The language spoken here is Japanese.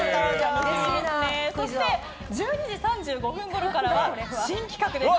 そして、１２時３５分ごろからは新企画です。